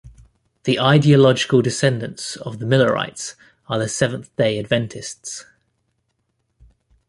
The ideological descendants of the Millerites are the Seventh-day Adventists.